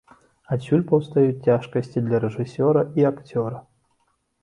Адсюль паўстаюць цяжкасці для рэжысёра і акцёра.